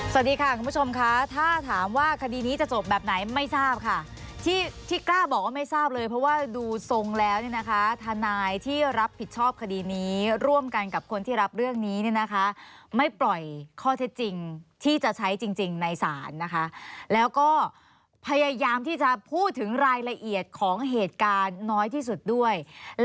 สวัสดีค่ะคุณผู้ชมค่ะถ้าถามว่าคดีนี้จะจบแบบไหนไม่ทราบค่ะที่ที่กล้าบอกว่าไม่ทราบเลยเพราะว่าดูทรงแล้วเนี่ยนะคะทนายที่รับผิดชอบคดีนี้ร่วมกันกับคนที่รับเรื่องนี้เนี่ยนะคะไม่ปล่อยข้อเท็จจริงที่จะใช้จริงในศาลนะคะแล้วก็พยายามที่จะพูดถึงรายละเอียดของเหตุการณ์น้อยที่สุดด้วย